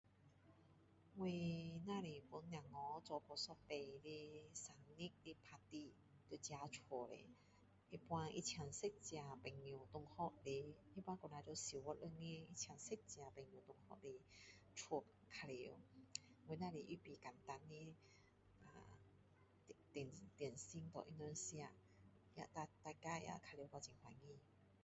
我只是帮小孩做过一次的生日的 party 一帮二十多个人她请十个朋友来家玩我只是预备简单的但是泥做东西给他们吃大家也玩耍